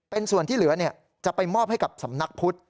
เป็นส่วนที่เหลือจะไปมอบให้กับสำนักพุทธ